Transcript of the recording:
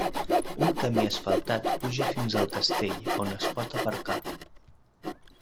Un camí asfaltat puja fins al castell, on es pot aparcar.